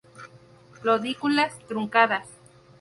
Lodículas truncadas.